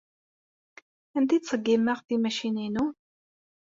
Anda ay ttṣeggimeɣ timacinin-inu?